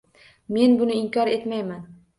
Men buni inkor etmayman